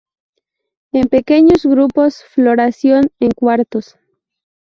En pequeños grupos, floración en cuartos.